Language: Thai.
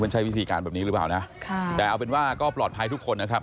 ใช้วิธีการแบบนี้หรือเปล่านะค่ะแต่เอาเป็นว่าก็ปลอดภัยทุกคนนะครับ